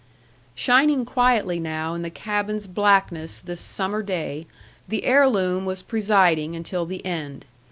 Shining quietly now in the cabin's blackness this summer day, the heirloom was presiding until the end.